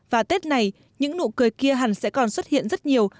và tết này những nụ cười kia hẳn sẽ còn xuất hiện rất nhiều